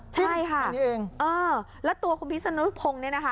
ใช่ค่ะแล้วตัวของคุณพิศนุพงศ์เนี่ยนะคะ